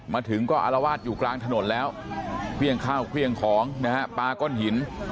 มาถึงก็อารวาสอยู่กลางถนนแล้วเครื่องข้าวเครื่องของนะฮะปลาก้อนหิน